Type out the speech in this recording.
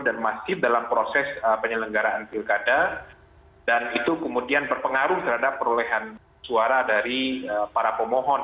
dan masih dalam proses penyelenggaraan pilkada dan itu kemudian berpengaruh terhadap perolehan suara dari para pemohon